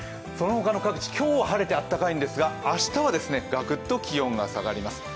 そのほかの各地、今日は晴れて暖かいんですが明日はがくっと気温が下がります。